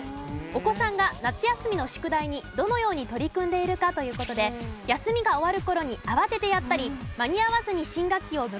お子さんが夏休みの宿題にどのように取り組んでいるか？という事で休みが終わる頃に慌ててやったり間に合わずに新学期を迎えた場合です。